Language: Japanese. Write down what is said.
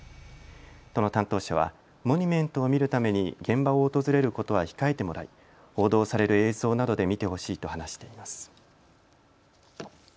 都の担当者はモニュメントを見るために現場を訪れることは控えてもらい報道される映像などで見てほしいと話しています。